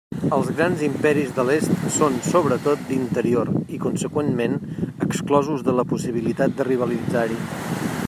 Els grans imperis de l'est són sobretot d'interior i conseqüentment exclosos de la possibilitat de rivalitzar-hi.